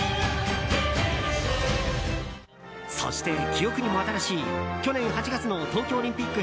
そして、記憶にも新しい去年８月の東京オリンピック